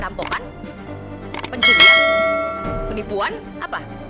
rampokan pencurian penipuan apa